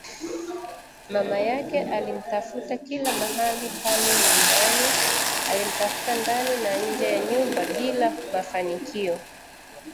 Mama yake alimtafuta kila mahali pale nyumbani, alimtafuta ndani na nje ya nyumba bila mafanikio